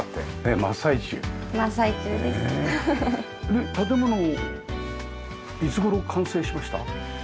で建物いつ頃完成しました？